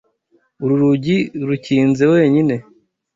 Uru rugi rukinze wenyine.